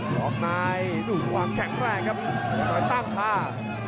รอบนายถูกความแข็งแรงครับพยายามหน่อยตั้งค่ะ